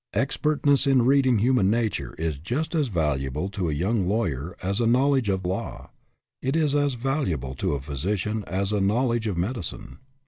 Expertness in reading human nature is just as valuable to a young lawyer as a knowledge of law ; it is as valuable to a physician as a knowledge of medicine.